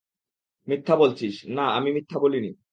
মিথ্যা বলছিস, - না, আমি মিথ্যা বলিনি।